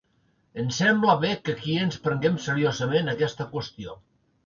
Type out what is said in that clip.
Em sembla bé que aquí ens prenguem seriosament aquesta qüestió.